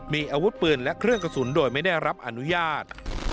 มีอาวุธปืนและเครื่องกระสุนโดยไม่ได้รับอนุญาต